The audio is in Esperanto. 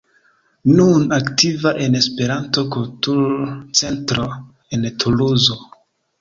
Nun aktiva en Esperanto-Kultur-Centro en Tuluzo.